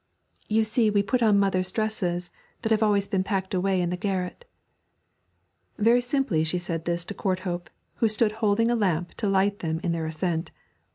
'You see we put on mother's dresses, that have always been packed away in the garret.' Very simply she said this to Courthope, who stood holding a lamp to light them in their ascent.